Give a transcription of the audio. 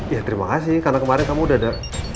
ya terima kasih karena kemarin kamu udah ada